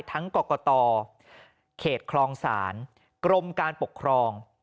ทั้งกรกตเขตคลองศาลกรมการปกครอง